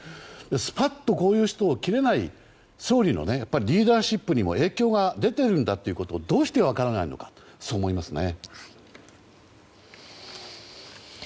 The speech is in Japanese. スパっとこういう人を切れない総理のリーダーシップにも影響が出ているんだということをどうして分からないのかと思いますね。